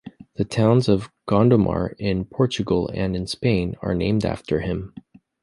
The towns of Gondomar in Portugal and in Spain are named after him.